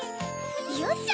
よっしゃ！